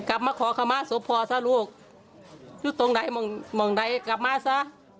กลับมาขอขมาศพพ่อซะลูกอยู่ตรงไหนมองใดกลับมาซะ